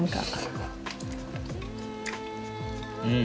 うん。